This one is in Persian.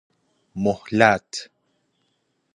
مﮩلت